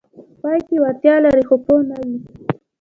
پای کې وړتیا لري خو پوه نه وي: